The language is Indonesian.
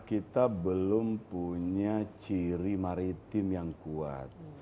kita belum punya ciri maritim yang kuat